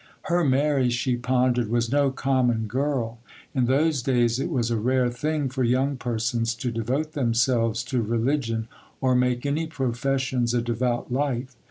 Her Mary, she pondered, was no common girl. In those days it was a rare thing for young persons to devote themselves to religion or make any professions of devout life.